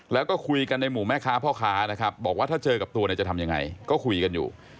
แล้วก็คุยกันในหมู่แม่ค้าพ่อค้านะครับบอกว่าถ้าเจอกับตัวเนี่ยจะทำยังไงก็คุยกันอยู่